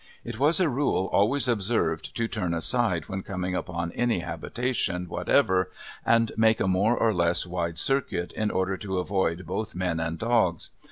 It was a rule always observed to turn aside when coming upon any habitation, whatever, and make a more or less wide circuit in order to avoid both men and dogs.